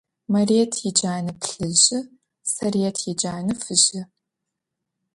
Marıêt yicane plhıjı, Sarıêt yicane fıjı.